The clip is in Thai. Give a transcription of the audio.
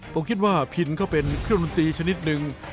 ผมคิดว่าพินก็เป็นเครื่องดนตรีชนิดหนึ่ง